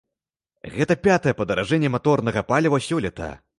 Гэта пятае падаражэнне маторнага паліва сёлета.